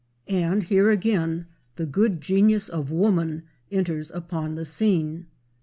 And here again the good genius of woman enters upon the scene.